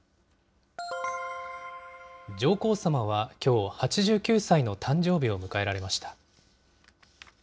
上皇さまはきょう、８９歳の誕生日を迎えられました。